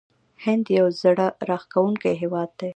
هند یو زړه راښکونکی هیواد دی.